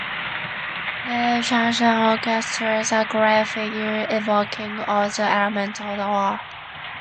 Neil Sheehan orchestrates a great fugue evoking all the elements of the war.